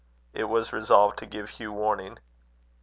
It was resolved to give Hugh warning.